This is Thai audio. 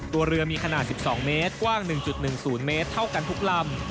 ตัวเรือมีขนาด๑๒เมตรกว้าง๑๑๐เมตรเท่ากันทุกลำ